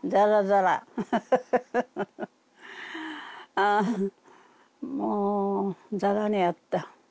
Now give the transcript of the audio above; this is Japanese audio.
ああもうざらにあった。